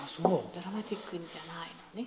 ドラマチックにじゃないのね。